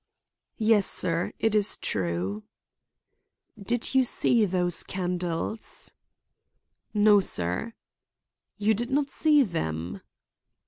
"Yes, sir, it is true." "Did you see those candles?" "No, sir." "You did not see them?"